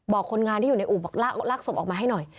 คนงานที่อยู่ในอู่บอกลากศพออกมาให้หน่อย